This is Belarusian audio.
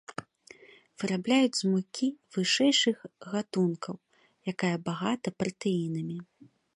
Вырабляюць з мукі вышэйшых гатункаў, якая багата пратэінамі.